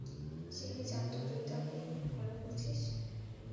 সে কি জানত তুই তাকে ফলো করছিস?